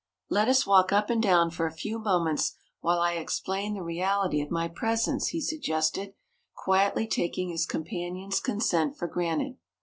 "Let us walk up and down for a few moments while I explain the reality of my presence," he suggested, quietly taking his companion's consent for granted.